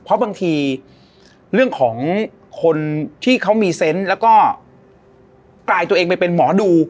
เพราะบางทีเรื่องของคนที่เขามีเซนต์แล้วก็กลายตัวเองไปเป็นหมอดู